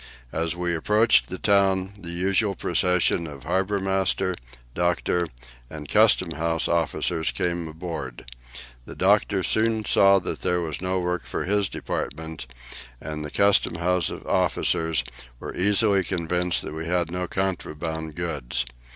As we approached the town, the usual procession of harbour master, doctor, and Custom house officers came aboard. The doctor soon saw that there was no work for his department, and the Custom house officers were easily convinced that we had no contraband goods.